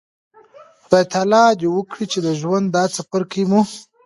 خدای تعالی د وکړي چې د ژوند دا څپرکی مو